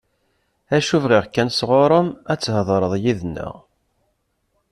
Acu bɣiɣ kan sɣur-m, ad thedreḍ yid-neɣ.